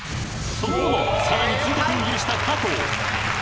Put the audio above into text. ［その後もさらに追加点を許した加藤］